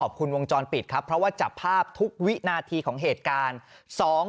วงจรปิดครับเพราะว่าจับภาพทุกวินาทีของเหตุการณ์